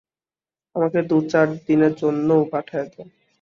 আমাকে দু-চার দিনের জন্যও পাঠাইয়া দাও।